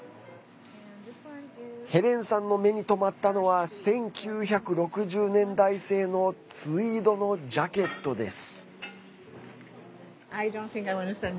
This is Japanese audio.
ヘレンさんの目に留まったのは１９６０年代製のツイードのジャケットです。